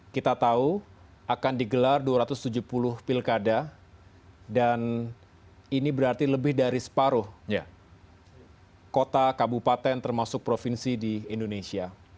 kita tahu akan digelar dua ratus tujuh puluh pilkada dan ini berarti lebih dari separuh kota kabupaten termasuk provinsi di indonesia